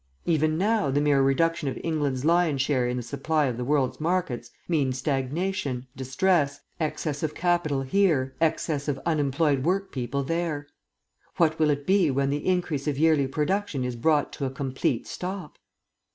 Even now, the mere reduction of England's lion's share in the supply of the world's markets means stagnation, distress, excess of capital here, excess of unemployed workpeople there. What will it be when the increase of yearly production is brought to a complete stop?